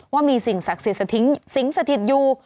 ว่ามีสิ่งศักดิ์สถิติอยู่